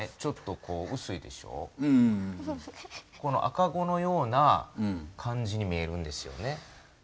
赤子のような感じに見えるんですよね。